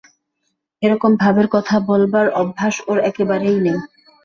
এরকম ভাবের কথা বলবার অভ্যাস ওর একেবারেই নেই।